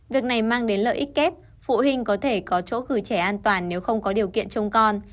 việc này mang đến lợi ích kết phụ huynh có thể có chỗ khử trẻ an toàn nếu không có điều kiện chung con